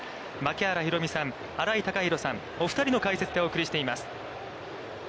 槙原寛己さん、新井貴浩さん、お二人の解説でお送りしています。